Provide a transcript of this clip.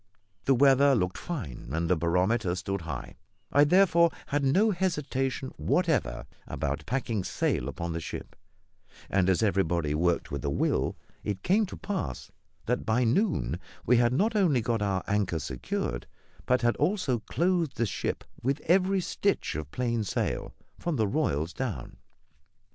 The weather looked fine, and the barometer stood high; I therefore had no hesitation whatever about packing sail upon the ship; and as everybody worked with a will, it came to pass that by noon we had not only got our anchor secured, but had also clothed the ship with every stitch of plain sail, from the royals down.